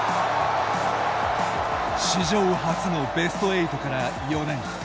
史上初のベスト８から４年。